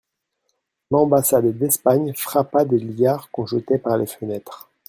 L'ambassade d'Espagne frappa des liards qu'on jetait par les fenêtres.